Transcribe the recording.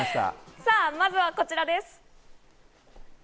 さぁ、まずはこちらです。